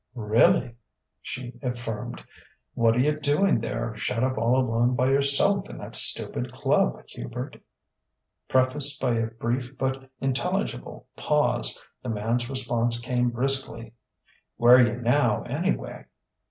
"Real ly!" she affirmed. "What're you doing there, shut up all alone by yourself in that stupid club, Hubert?" Prefaced by a brief but intelligible pause, the man's response came briskly: "Where are you now, anyway?"